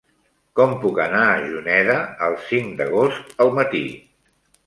Com puc anar a Juneda el cinc d'agost al matí?